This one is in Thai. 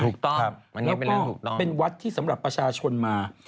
แล้วก็เป็นวัดที่สำหรับประชาชนมา